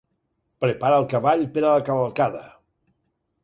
Prepara el cavall per a la cavalcada.